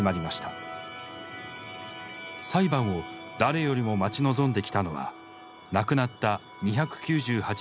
裁判を誰よりも待ち望んできたのは亡くなった２９８人の遺族たちです。